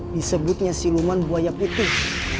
disebutnya sinuman buaya putih